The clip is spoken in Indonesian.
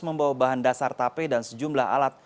membawa bahan dasar tape dan sejumlah alat